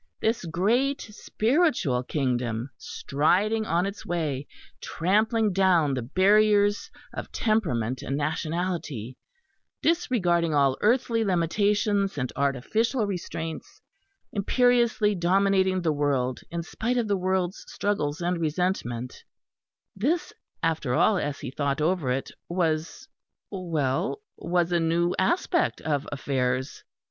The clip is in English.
This great spiritual kingdom, striding on its way, trampling down the barriers of temperament and nationality, disregarding all earthly limitations and artificial restraints, imperiously dominating the world in spite of the world's struggles and resentment this, after all, as he thought over it, was well was a new aspect of affairs.